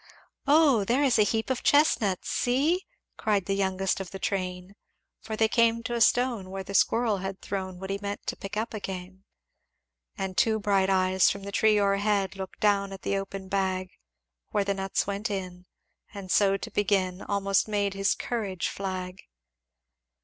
"O there is a heap of chestnuts, see!' Cried the youngest of the train; For they came to a stone where the squirrel had thrown What he meant to pick up again. "And two bright eyes from the tree o'erhead, Looked down at the open bag Where the nuts went in and so to begin, Almost made his courage flag.